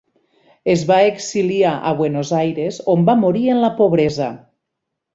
Es va exiliar a Buenos Aires, on va morir en la pobresa.